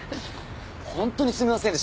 本当にすみませんでした。